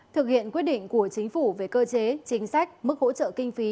thực hiện quyết định của chính phủ về cơ chế chính sách mức hỗ trợ kinh phí